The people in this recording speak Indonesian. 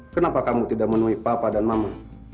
kenapa kamu tidak menemui papa dan mama